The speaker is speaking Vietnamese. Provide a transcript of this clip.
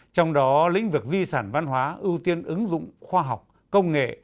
trong đó lĩnh vực di sản văn hóa ưu tiên ứng dụng khoa học công nghệ